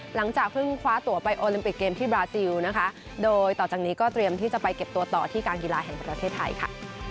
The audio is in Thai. หลังจากเพิ่งคว้าตัวไปโอลิมปิกเกมที่บราซิลนะคะโดยต่อจากนี้ก็เตรียมที่จะไปเก็บตัวต่อที่การกีฬาแห่งประเทศไทยค่ะ